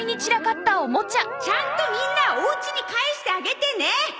ちゃんとみんなお家に帰してあげてね！